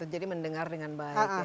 jadi mendengar dengan baik